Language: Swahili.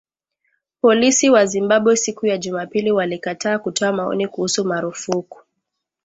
Polisi wa Zimbabwe siku ya Jumapili walikataa kutoa maoni kuhusu marufuku